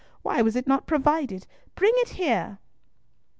Why was it not provided? Bring it here."